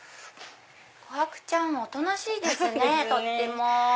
コハクちゃんおとなしいですねとっても。